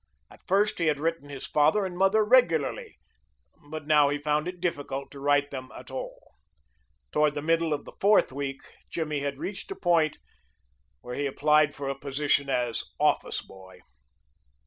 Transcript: At first he had written his father and his mother regularly, but now he found it difficult to write them at all. Toward the middle of the fourth week Jimmy had reached a point where he applied for a position as office boy.